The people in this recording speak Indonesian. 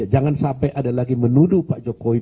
jangan sampai ada lagi menuduh pak jokowi